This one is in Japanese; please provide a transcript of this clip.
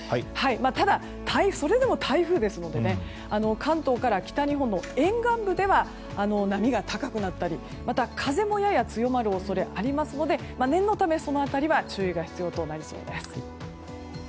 ただ、それでも台風ですので関東から北日本の沿岸部では波が高くなったりまた、風もやや強まる恐れがありますので念のため、その辺りは注意が必要となりそうです。